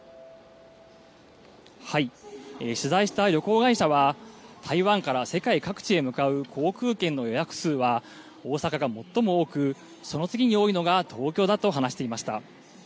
取材した旅行会社は、台湾から世界各地へ向かう航空券の予約数は大阪が最も多く、その次に多いのが東京だと話していました。